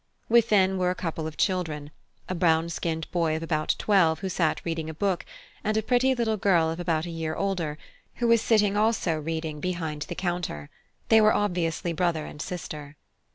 Within were a couple of children a brown skinned boy of about twelve, who sat reading a book, and a pretty little girl of about a year older, who was sitting also reading behind the counter; they were obviously brother and sister.